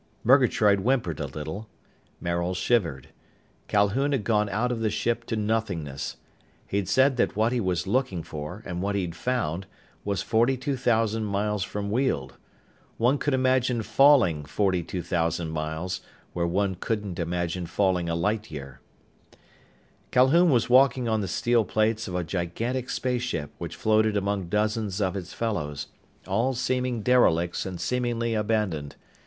Murgatroyd whimpered a little. Maril shivered. Calhoun had gone out of the ship to nothingness. He'd said that what he was looking for, and what he'd found, was forty two thousand miles from Weald. One could imagine falling forty two thousand miles, where one couldn't imagine falling a light year. Calhoun was walking on the steel plates of a gigantic spaceship which floated among dozens of its fellows, all seeming derelicts and seemingly abandoned.